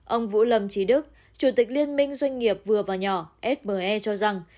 ông vũ lâm trí đức chủ tịch liên minh doanh nghiệp vừa và nhỏ fbe cho rằng